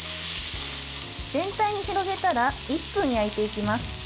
全体に広げたら１分焼いていきます。